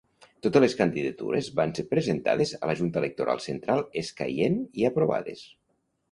Totes les candidatures van ser presentades a la Junta Electoral Central escaient i aprovades.